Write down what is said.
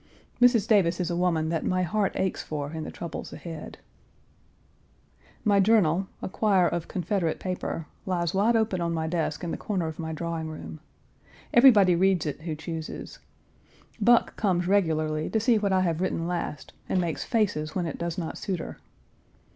Mrs. Davis is a woman that my heart aches for in the troubles ahead. My journal, a quire of Confederate paper, lies wide open on my desk in the corner of my drawing room. Everybody reads it who chooses. Buck comes regularly to see what I have written last, and makes faces when it does not suit her.